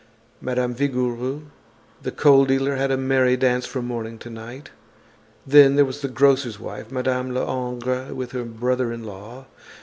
Madame Vigouroux, the coal dealer had a merry dance from morning to night. Then there was the grocer's wife, Madame Lehongre with her brother in law.